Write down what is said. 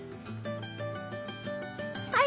はい。